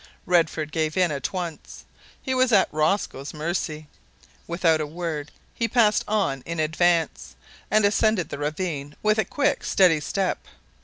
Redford gave in at once. He was at Rosco's mercy. Without a word he passed on in advance, and ascended the ravine with a quick, steady step.